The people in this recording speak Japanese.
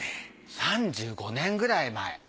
３５年くらい前。